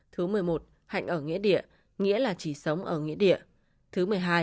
thứ một mươi một hạnh ở nghĩa địa nghĩa là chỉ ở ngoài trời không sống trong nhà sới tán cây